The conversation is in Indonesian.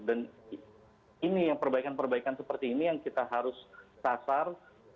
dan ini yang perbaikan perbaikan seperti ini yang kita harus tasar